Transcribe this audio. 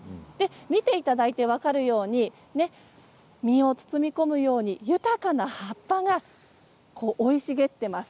見ていただいて分かるように実を包み込むように豊かな葉っぱが生い茂っています。